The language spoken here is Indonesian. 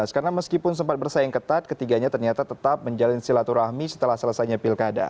karena meskipun sempat bersaing ketat ketiganya ternyata tetap menjalin silaturahmi setelah selesainya pilkada